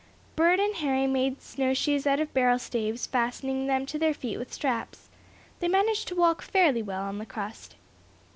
Bert and Harry made snowshoes out of barrel staves, fastening them to their feet with straps. They managed to walk fairly well on the crust.